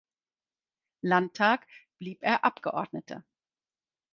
Landtag blieb er Abgeordneter.